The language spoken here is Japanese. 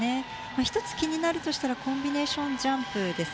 １つ、気になるとしたらコンビネーションジャンプです。